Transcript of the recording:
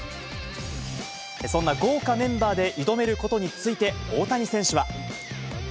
そんな豪華メンバーで挑めることについて、大谷選手は。